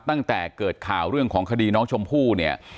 ตั้งแต่เกิดข่าวเรื่องของคดีน้องชมพู่เนี่ย